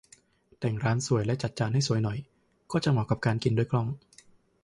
แต่งร้านสวยและจัดจานให้สวยหน่อย ก็จะเหมาะกับการกินด้วยกล้อง